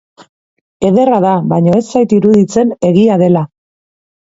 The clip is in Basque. Ederra da, baina ez zait iruditzen egia dela.